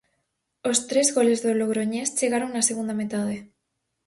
Os tres goles do Logroñés chegaron na segunda metade.